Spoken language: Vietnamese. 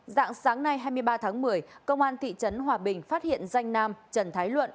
dạng sáng nay hai mươi ba tháng một mươi công an thị trấn hòa bình phát hiện danh nam trần thái luận